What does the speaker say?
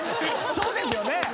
そうですよね？